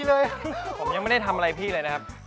เออขอบใจมากนะ